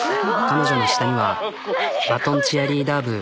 彼女の下にはバトン・チアリーダー部。